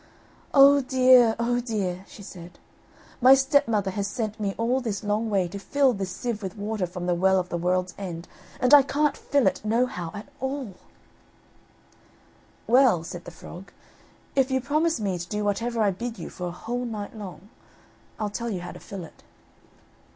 "Oh, dear, oh dear," she said, "my stepmother has sent me all this long way to fill this sieve with water from the Well of the World's End, and I can't fill it no how at all." "Well," said the frog, "if you promise me to do whatever I bid you for a whole night long, I'll tell you how to fill it."